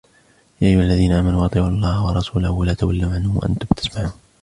يا أيها الذين آمنوا أطيعوا الله ورسوله ولا تولوا عنه وأنتم تسمعون